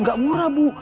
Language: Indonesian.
gak murah bu